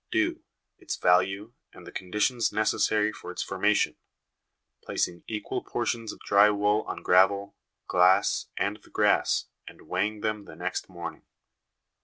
Dew, its value, and the conditions necessary for its forma tion ; placing equal portions of dry wool on gravel, glass, and the grass, and weighing them the next morning.